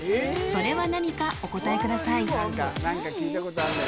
それは何かお答えください。